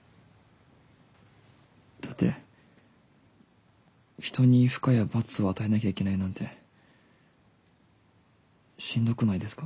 だって人に負荷や罰を与えなきゃいけないなんてしんどくないですか？